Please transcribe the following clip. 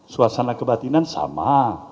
suasana kebatinan sama